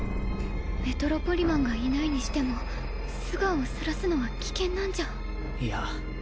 メトロポリマンがいないにしても素顔をさらすのは危険なんじゃいや